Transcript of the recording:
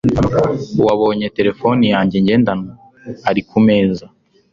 wabonye terefone yanjye ngendanwa? ari ku meza